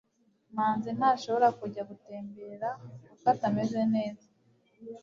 manzi ntashobora kujya gutembera kuko atameze neza